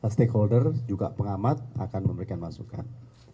stakeholder juga pengamat akan memberikan masukan